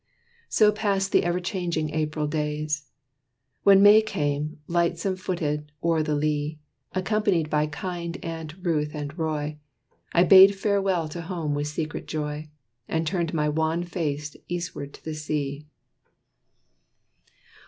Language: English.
So passed the ever changing April days. When May came, lightsome footed, o'er the lea, Accompanied by kind Aunt Ruth and Roy, I bade farewell to home with secret joy, And turned my wan face eastward to the sea.